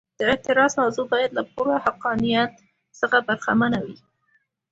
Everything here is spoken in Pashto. د اعتراض موضوع باید له پوره حقانیت څخه برخمنه وي.